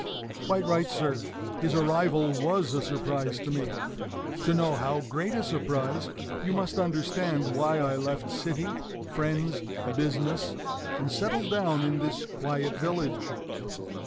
Quite right, sir; his arrival was a surprise to me. To know how great a surprise, you must understand why I left city, friends, business, and settled down in this quiet village.